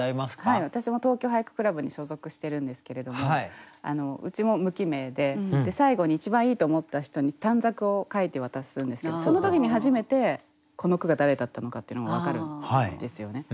私も東京俳句倶楽部に所属しているんですけれどもうちも無記名で最後に一番いいと思った人に短冊を書いて渡すんですけどその時に初めてこの句が誰だったのかっていうのが分かるんですよね。